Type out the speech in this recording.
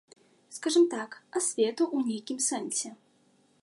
Скажам так, асвету ў нейкім сэнсе.